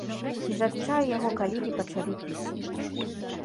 І з адчаю яго калегі пачалі піць.